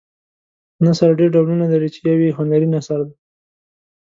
نثر ډېر ډولونه لري چې یو یې هنري نثر دی.